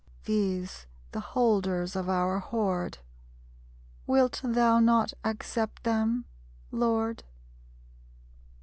These, the holders of our hoard, Wilt thou not accept them, Lord?